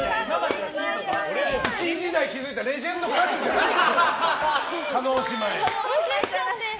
一時代築いたレジェンド歌手じゃないでしょ。